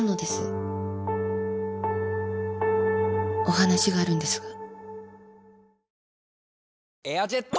お話があるんですが。